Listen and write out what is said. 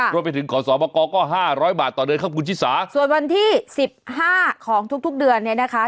รวมไปถึงขอสอบอกอก็๕๐๐บาทต่อเดือนครับคุณชิสาส่วนวันที่๑๕ของทุกเดือนเนี่ยนะคะ